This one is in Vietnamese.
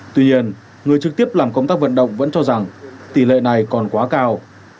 tuy nhiên người trực tiếp làm công tác vận động vẫn cho rằng tỷ lệ này còn quá cao